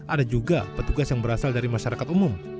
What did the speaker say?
ada juga petugas yang berasal dari masyarakat umum